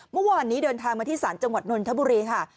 เมื่อวานนี้เดินทางมาที่ศาลจังหวัดนนทบุรีค่ะ